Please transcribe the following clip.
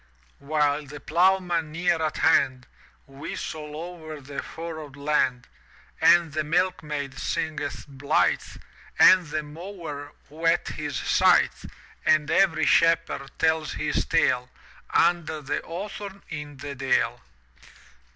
While the ploughman, near at hand* y;=c <:L 9K^^<x Whistles o'er the furrowed land. And the milkmaid singeth blithe, I And the mower whets his scythe. And every shepherd tells his tale Under the hawthorn in the dale.